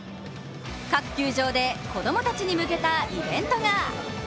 各球場で子供たちに向けたイベントが。